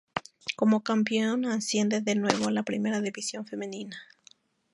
Como campeón, asciende de nuevo a la Primera División Femenina.